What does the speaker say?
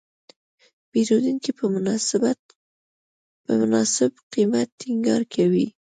پیرودونکی په مناسب قیمت ټینګار کوي.